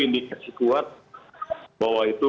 indikasi kuat bahwa itu